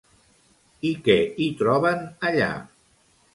I què hi troben allà?